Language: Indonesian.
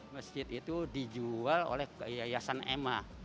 masjid itu dijual oleh yayasan emma